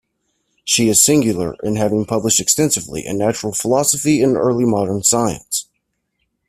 She is singular in having published extensively in natural philosophy and early modern science.